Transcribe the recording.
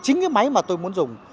chính cái máy mà tôi muốn dùng